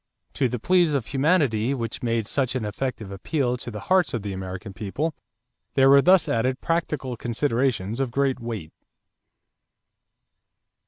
To the pleas of humanity which made such an effective appeal to the hearts of the American people, there were thus added practical considerations of great weight.